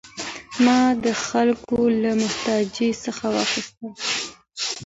ما د خلکو له محتاجۍ څخه وساته.